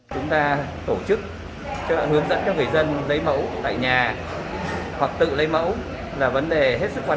chúng ta tổ chức hướng dẫn cho người dân lấy mẫu tại nhà hoặc tự lấy mẫu là vấn đề hết sức quan trọng